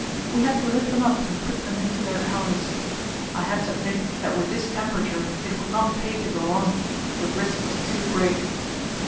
We had to lift them up and put them into their harness. I had to admit that with this temperature it would not pay to go on; the risk was too great.